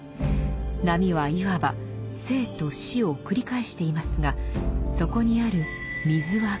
波はいわば生と死を繰り返していますがそこにある水は変わりません。